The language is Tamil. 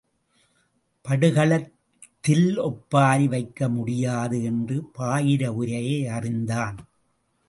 படுகளத்– தில் ஒப்பாரி வைக்க முடியாது என்ற பாயிர உரையை அறிந்தான்.